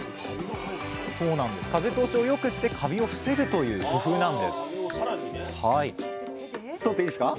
風通しをよくしてカビを防ぐという工夫なんです取っていいですか？